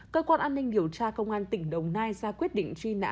cơ quan an ninh điều tra công an tỉnh đồng nai ra quyết định truy nã